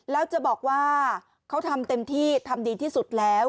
แล้วจะบอกว่าเขาทำเต็มที่ทำดีที่สุดแล้ว